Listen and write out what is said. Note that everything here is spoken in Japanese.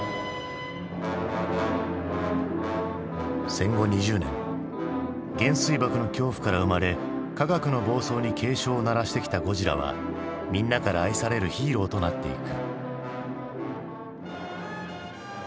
戦後２０年原水爆の恐怖から生まれ科学の暴走に警鐘を鳴らしてきたゴジラはみんなから愛されるヒーローとなっていく。